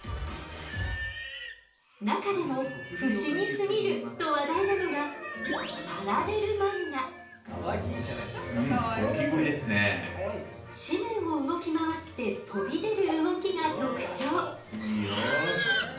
中でも「不思議すぎる！」と話題なのが紙面を動き回って飛び出る動きが特徴。